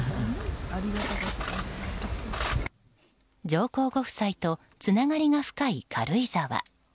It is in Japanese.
上皇ご夫妻とつながりが深い軽井沢。